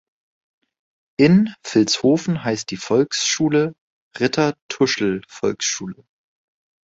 In Vilshofen heißt die Volksschule "Ritter-Tuschl-Volksschule".